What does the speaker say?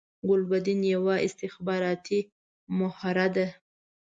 ګلبدین یوه استخباراتی مهره ده